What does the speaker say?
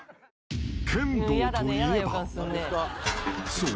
［そう。